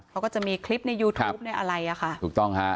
เขาก็จะมีคลิปในยูทูปในอะไรอ่ะค่ะถูกต้องฮะ